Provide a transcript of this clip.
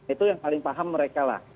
itu yang paling paham mereka lah